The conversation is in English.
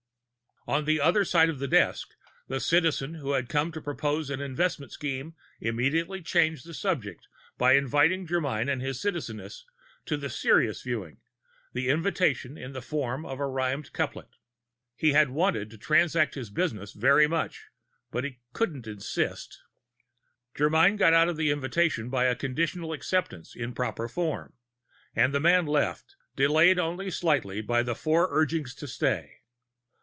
On the other side of the desk, the Citizen who had come to propose an investment scheme immediately changed the subject by inviting Germyn and his Citizeness to a Sirius Viewing, the invitation in the form of rhymed couplets. He had wanted to transact his business very much, but he couldn't insist. Germyn got out of the invitation by a Conditional Acceptance in proper form, and the man left, delayed only slightly by the Four Urgings to Stay.